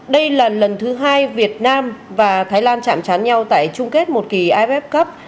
đây là lần thứ hai việt nam và thái lan chạm chán nhau tại chung kết một kỳ iff cup